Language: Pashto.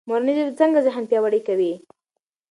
مورنۍ ژبه څنګه ذهن پیاوړی کوي؟